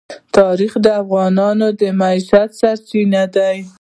تاریخ د افغانانو د معیشت سرچینه ده.